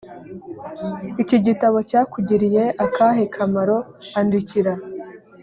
iki gitabo cyakugiriye akahe kamaro andikira